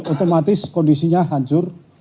otomatis kondisinya hancur